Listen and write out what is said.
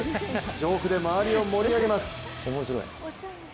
ジョークで周りを盛り上げます。